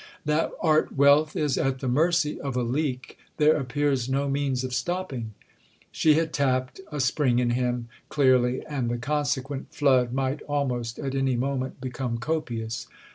That art wealth is at the mercy of a leak there appears no means of stopping." She had tapped a spring in him, clearly, and the consequent flood might almost at any moment become copious.